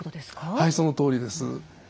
はいそのとおりです。